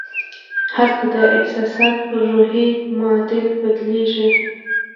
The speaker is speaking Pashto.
هلته دا احساسات پر روحي معادل بدلېږي